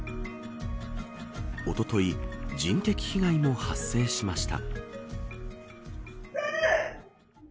おととい、人的被害も発生しました。